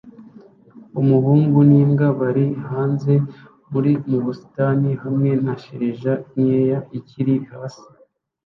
Umuhungu n'imbwa bari hanze mu busitani hamwe na shelegi nkeya ikiri hasi